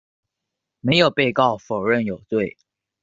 没有被告否认有罪。